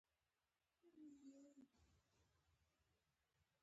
رومیان د فصل له میوو څخه دي